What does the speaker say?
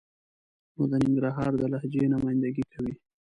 نو د ننګرهار د لهجې نماینده ګي کوي.